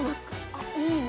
あいいね！